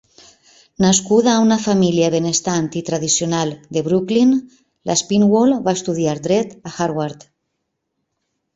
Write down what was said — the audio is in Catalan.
Nascuda a una família benestant i tradicional de Brookline, l'Aspinwall va estudiar dret a Harvard.